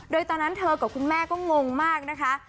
โดยตอนนั้นเธอกับคุณแม่ก็งงมากนะคะ